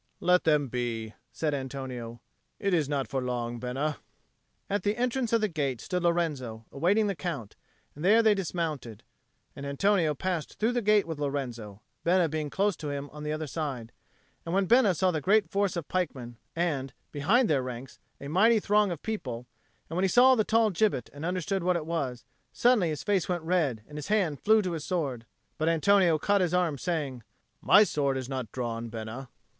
"Let them be," said Antonio. "It is not for long, Bena." At the entrance of the gate stood Lorenzo, awaiting the Count, and there they dismounted, and Antonio passed through the gate with Lorenzo, Bena being close to him on the other side. And when Bena saw the great force of pikemen, and, behind their ranks, a mighty throng of people, and when he saw the tall gibbet and understood what it was, suddenly his face went red and his hand flew to his sword. But Antonio caught his arm, saying, "My sword is not drawn, Bena."